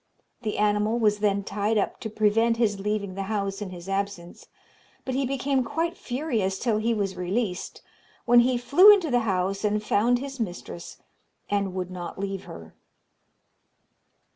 The animal was then tied up to prevent his leaving the house in his absence; but he became quite furious till he was released, when he flew into the house and found his mistress, and would not leave her.